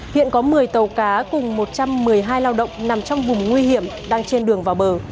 hiện có một mươi tàu cá cùng một trăm một mươi hai lao động nằm trong vùng nguy hiểm đang trên đường vào bờ